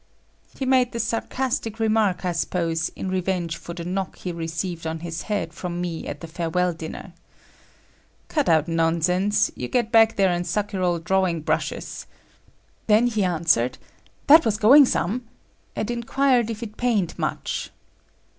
He made this sarcastic remark, I suppose, in revenge for the knock he received on his head from me at the farewell dinner. "Cut out nonsense; you get back there and suck your old drawing brushes!" Then he answered "that was going some," and enquired if it pained much?